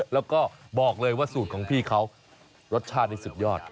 แล้วก็บอกเลยว่าสูตรของพี่เขารสชาตินี่สุดยอด